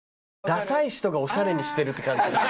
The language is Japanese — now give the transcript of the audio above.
ダサい人がオシャレにしてるって感じ。